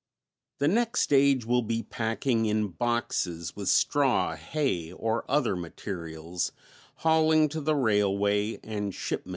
] The next stage will be packing in boxes with straw, hay or other materials, hauling to the railway and shipment to New York.